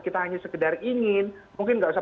kita hanya sekedar ingin mungkin nggak usah